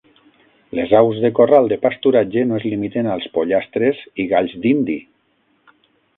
Les aus de corral de pasturatge no es limiten als pollastres i galls dindi.